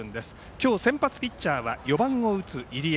今日先発ピッチャーは４番を打つ入江。